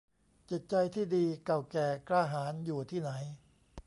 จิตใจที่ดี เก่าแก่ กล้าหาญอยู่ที่ไหน